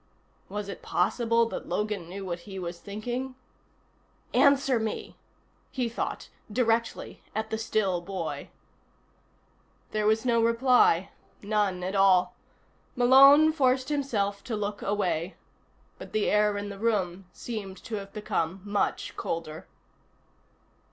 Was it possible that Logan knew what he was thinking? Answer me, he thought, directly at the still boy. There was no reply, none at all. Malone forced himself to look away. But the air in the room seemed to have become much colder.